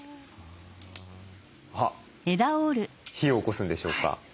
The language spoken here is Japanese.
あっ火をおこすんでしょうか？